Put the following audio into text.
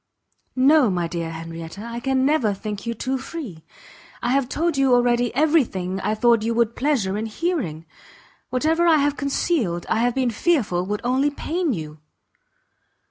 "No, my dear Henrietta, I can never think you too free; I have told you already every thing I thought you would have pleasure in hearing; whatever I have concealed, I have been fearful would only pain you."